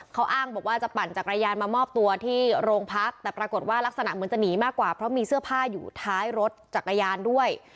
เขาอ้างบอกว่าจะปั่นจักรยานมามอบตัวที่โรงพักแต่ปรากฏว่ารักษณะเหมือนจะหนีมากกว่าเพราะมีเสื้อผ้าอยู่ท้ายรถจักรยานด้วย